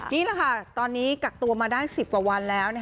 นี่แหละค่ะตอนนี้กักตัวมาได้๑๐กว่าวันแล้ว